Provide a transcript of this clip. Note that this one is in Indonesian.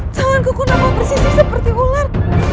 jangan kok aku nampak bersih sih seperti ular